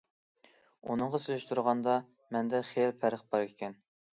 ئۇنىڭغا سېلىشتۇرغاندا، مەندە خېلى پەرق بار ئىكەن.